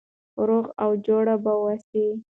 روغ او جوړ به اوسو.